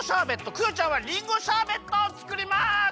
クヨちゃんはりんごシャーベットをつくります！